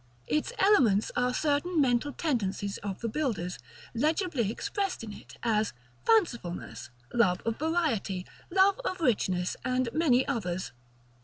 Its elements are certain mental tendencies of the builders, legibly expressed in it; as fancifulness, love of variety, love of richness, and such others.